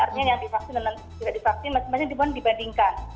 artinya yang divaksin dan tidak divaksin masing masing dibandingkan